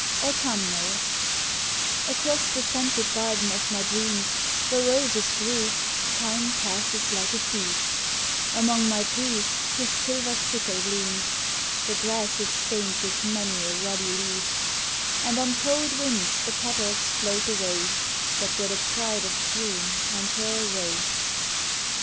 AUTUMNAL ACROSS the scented garden of my dreams Where roses grew, Time passes like a thief, Among my trees his silver sickle gleams, The grass is stained with many a ruddy leaf ; And on cold winds the petals float away That were the pride of June and her array.